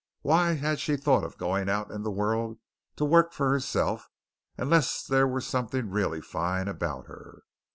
Why had she thought of going out in the world to work for herself unless there were something really fine about her?